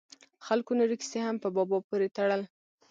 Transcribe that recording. خلکو نورې کیسې هم په بابا پورې تړل.